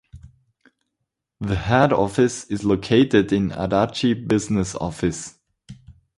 The head office is located in Adachi Business Office.